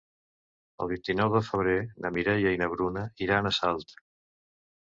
El vint-i-nou de febrer na Mireia i na Bruna iran a Salt.